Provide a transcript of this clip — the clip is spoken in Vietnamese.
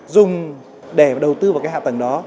dùng để đầu tư vào cái hạ tầng đó